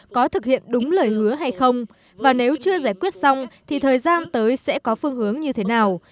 có thực hiện đúng lời hứa hay không và nếu chưa giải quyết xong thì thời gian tới sẽ có phương hướng như thế nào